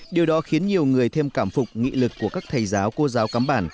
điều đó khiến nhiều người thêm cảm phục nghị lực của các thầy giáo cô giáo cắm bản